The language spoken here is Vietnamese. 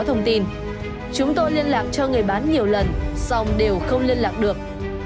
có thông tin chúng tôi liên lạc cho người bán nhiều lần xong đều không liên lạc được